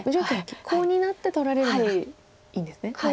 コウになって取られるならいいんですね。